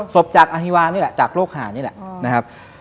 ศพจากอฮิวานี่แหละจากโรคหานี่แหละนะครับ